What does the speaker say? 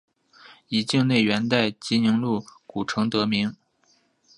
以境内元代集宁路古城得名。